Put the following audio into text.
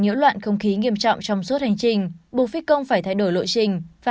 nhiễu loạn không khí nghiêm trọng trong suốt hành trình buộc phi công phải thay đổi lộ trình phát